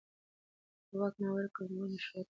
د واک ناوړه کارول مشروعیت کموي